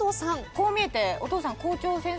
こう見えて。